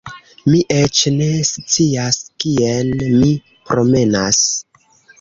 Mi eĉ ne scias kien mi promenas